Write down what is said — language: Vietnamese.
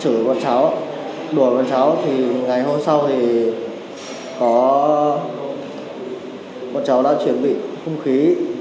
chửi bọn cháu đùa bọn cháu thì ngày hôm sau thì có bọn cháu đã chuẩn bị không khí